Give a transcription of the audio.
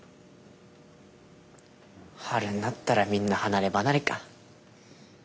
春んなったらみんな離れ離れか。